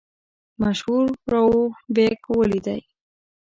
مشهور رووف بېګ ولیدی.